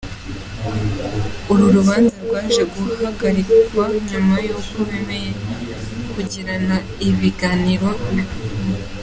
Uru rubanza rwaje guhagarikwa nyuma yuko bemeye kugirana ibiganiro bakumvikana.